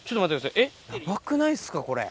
ヤバくないっすかこれ。